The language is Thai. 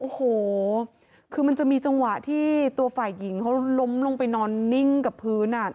โอ้โหคือมันจะมีจังหวะที่ตัวฝ่ายหญิงเขาล้มลงไปนอนนิ่งกับพื้นอ่ะ